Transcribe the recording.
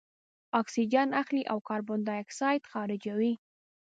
اکسیجن اخلي او کاربن دای اکساید خارجوي.